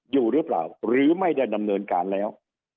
อยู่หรือเปล่าหรือไม่ได้ดำเนินการแล้ว